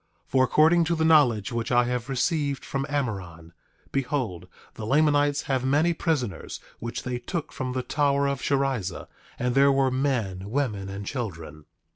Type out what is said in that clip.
For according to the knowledge which I have received from Amoron, behold, the Lamanites have many prisoners, which they took from the tower of Sherrizah; and there were men, women, and children.